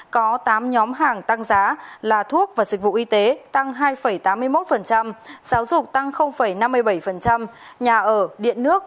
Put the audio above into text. có tám nhóm hàng tăng giá là thuốc và dịch vụ y tế tăng hai tám mươi một giáo dục tăng năm mươi bảy nhà ở điện nước